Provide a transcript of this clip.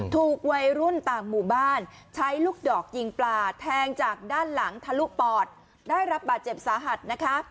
ถูกวัยรุ่นต่างหมู่บ้านใช้ลูกดอกยิงปลาแทงจากด้านหลังทะลุปอดได้รับบาดเจ็บสาหัสนะคะ